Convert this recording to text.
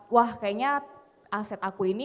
wah kayaknya aset aku ini